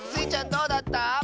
どうだった？